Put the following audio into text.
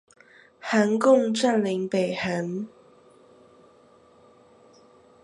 韓共占領北韓